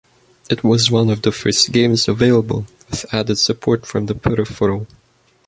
It was one of the first games available with added support from the peripheral.